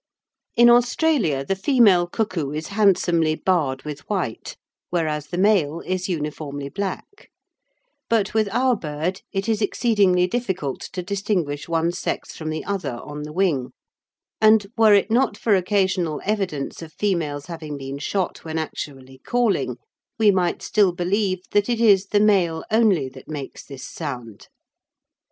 In Australia the female cuckoo is handsomely barred with white, whereas the male is uniformly black; but with our bird it is exceedingly difficult to distinguish one sex from the other on the wing, and, were it not for occasional evidence of females having been shot when actually calling, we might still believe that it is the male only that makes this sound.